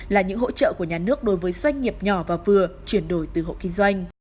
là những hỗ trợ của nhà nước đối với doanh nghiệp nhỏ và vừa chuyển đổi từ hộ kinh doanh